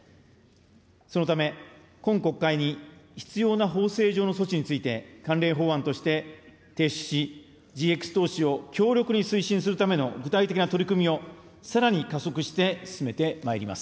そのため、今国会に必要な法制上の措置について関連法案として提出し、ＧＸ投資を強力に推進するための具体的な取り組みを、さらに加速して進めてまいります。